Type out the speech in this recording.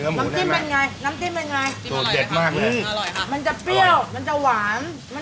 ขอชิมก่อนน้ำมานะ